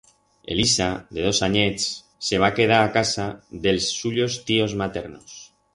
Elisa, de dos anyets, se va quedar a casa d'els suyos tíos maternos.